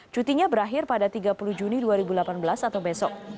cutinya berakhir pada tiga puluh juni dua ribu delapan belas atau besok